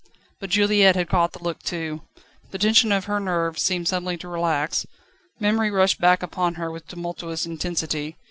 But Juliette had caught the look too. The tension of her nerves seemed suddenly to relax. Memory rushed back upon her with tumultuous intensity.